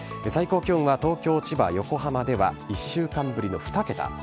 最高気温は東京、千葉、横浜では、１週間ぶりの２桁。